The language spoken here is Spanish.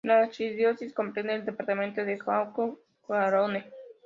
La archidiócesis comprende el departamento de Haute-Garonne.